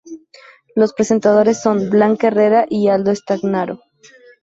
Los presentadores son, Blanca Herrera y Aldo Stagnaro.